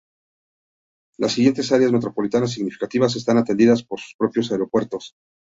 Las siguientes áreas metropolitanas significativas, están atendidas por sus propios aeropuertos.